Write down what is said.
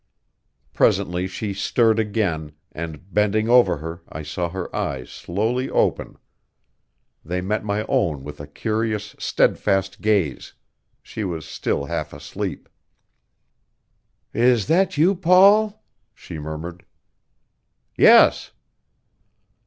Presently she stirred again, and, bending over her, I saw her eyes slowly open. They met my own with a curious, steadfast gaze she was still half asleep. "Is that you, Paul?" she murmured. "Yes."